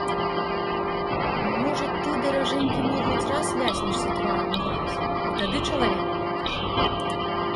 Можа ты, даражэнькі мой, хоць раз ляснешся тварам у гразь і тады чалавекам будзеш.